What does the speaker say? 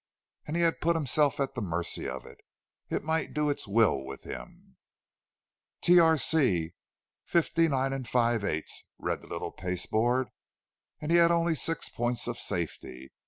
And he had put himself at the mercy of it; it might do its will with him! "Tr. C. 59 5/8" read the little pasteboard; and he had only six points of safety.